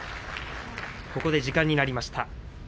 ここで時間になりました。